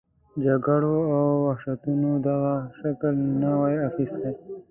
جګړو او وحشتونو دغه شکل نه وای اخیستی.